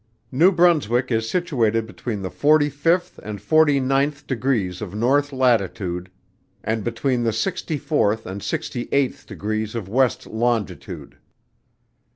_ New Brunswick is situated between the forty fifth and forty ninth degrees of North latitude, and between the sixty fourth and sixty eighth degrees of West longitude.